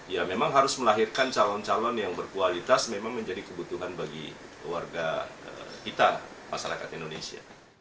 ya memang harus melahirkan calon calon yang berkualitas memang menjadi kebutuhan bagi warga kita masyarakat indonesia